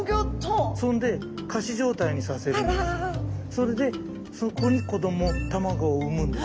それでそこに子ども卵を産むんです。